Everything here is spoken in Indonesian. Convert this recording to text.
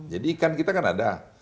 jadi ikan kita kan ada